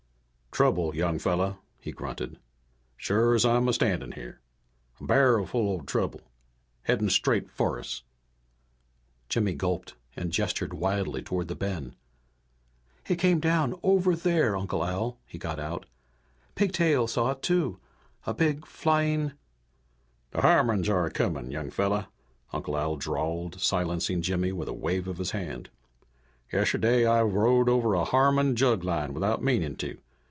"Trouble, young fella," he grunted. "Sure as I'm a standin' here. A barrelful o' trouble headin' straight for us!" Jimmy gulped and gestured wildly toward the bend. "It came down over there, Uncle Al!" he got out. "Pigtail saw it, too! A big, flying " "The Harmons are a comin', young fella," Uncle Al drawled, silencing Jimmy with a wave of his hand. "Yesterday I rowed over a Harmon jug line without meanin' to.